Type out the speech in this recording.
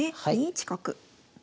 ２一角。